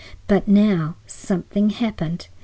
But now something happened.